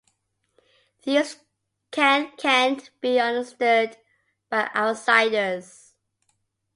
Thieves' cant can't be understood by outsiders.